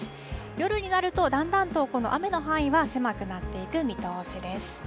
夜になるとだんだんとこの雨の範囲は狭くなっていく見通しです。